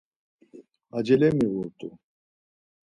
Acele miğut̆u.